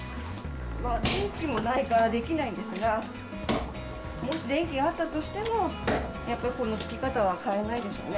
電気もないからできないんですが、もし電気があったとしても、やっぱりこのつき方は変えないでしょうね。